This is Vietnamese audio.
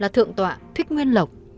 là thượng tọa thuyết nguyên lộc